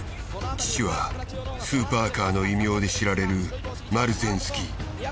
父はスーパーカーの異名で知られるマルゼンスキー。